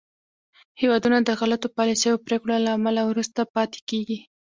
هېوادونه د غلطو پالیسیو او پرېکړو له امله وروسته پاتې کېږي